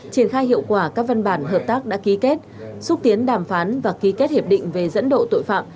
triển khai hiệu quả các văn bản hợp tác đã ký kết xúc tiến đàm phán và ký kết hiệp định về dẫn độ tội phạm